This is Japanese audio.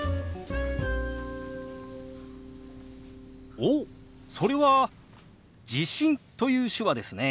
おっそれは「地震」という手話ですね。